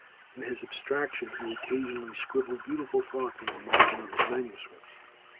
In his abstraction he occasionally scribbled beautiful thoughts on the margin of his manuscripts.